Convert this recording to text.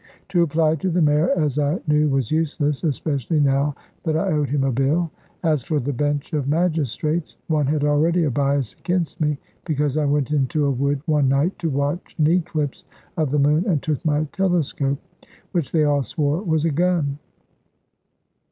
To apply to the mayor, as I knew, was useless, especially now that I owed him a bill; as for the bench of magistrates, one had already a bias against me, because I went into a wood one night to watch an eclipse of the moon, and took my telescope; which they all swore was a gun!